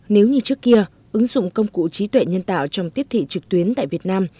nếu như trước kia ứng dụng công cụ trí tuệ nhân tạo trong tiếp thị trực tuyến tại việt nam